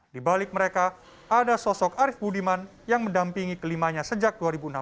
di balik mereka ada sosok arief budiman yang mendampingi kelimanya sejak dua ribu enam belas